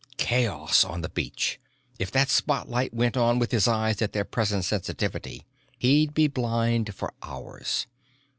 Chaos on the beach! If that spotlight went on with his eyes at their present sensitivity, he'd be blind for hours.